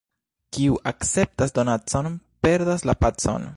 Kiu akceptas donacon, perdas la pacon.